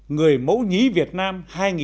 người mẫu nhí việt nam hai nghìn một mươi